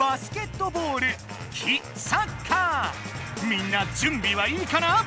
みんなじゅんびはいいかな？